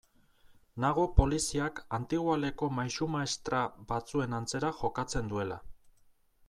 Nago poliziak antigoaleko maisu-maistra batzuen antzera jokatzen duela.